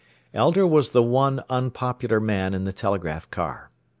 Elder was the one unpopular man in the telegraph car.